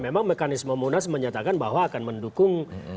memang mekanisme munas menyatakan bahwa akan mendukung